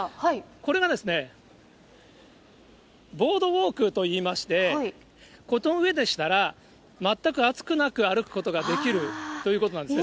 これがですね、ボードウォークといいまして、この上でしたら、全く熱くなく歩くことができるということなんですね